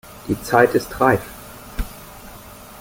Die Zeit ist reif!